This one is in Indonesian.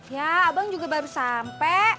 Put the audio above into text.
ya abang juga baru sampai